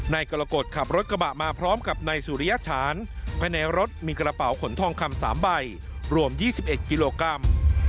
นายกรกฎขับรถกระบะมาพร้อมกับนายสุริยฐานภายในรถมีกระเป๋าขนทองคำ๓ใบรวม๒๑กิโลกรัม